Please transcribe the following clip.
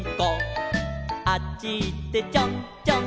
「あっちいってちょんちょん」